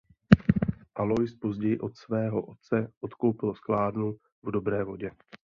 Alois později od svého otce odkoupil sklárnu v Dobré Vodě.